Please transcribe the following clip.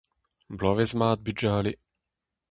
Bloavezh mat, bugale !